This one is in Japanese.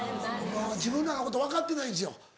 自分らのこと分かってないんですよ。